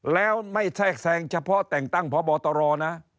แล้วไม่แทรกแทรงเฉพาะแต่งตั้งพบตรนะ